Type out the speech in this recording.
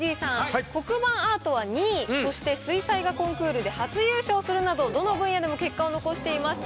黒板アートは２位そして水彩画コンクールで初優勝するなどどの分野でも結果を残しています。